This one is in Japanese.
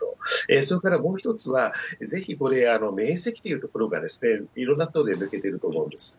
それからもう一つは、ぜひこれ、免責というところがいろんなことで出てくると思うんです。